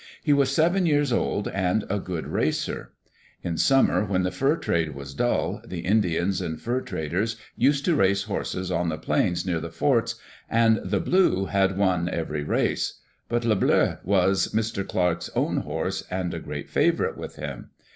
He was seven years old and a good racer. In summer, when the fur trade was dull, the Indians and fur traders used to race horses on the plains near the forts, and "The Blue" had won every race. But Le Bleu was Mr. Clarke's own horse, and a great favorite with him.